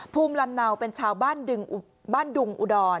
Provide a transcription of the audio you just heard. ภูมิลำเนาเป็นชาวบ้านดุงอุดอน